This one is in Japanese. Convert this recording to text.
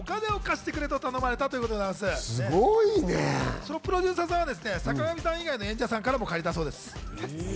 そのプロデューサーさんはですね坂上さん以外のスタッフさんからも借りたそうです。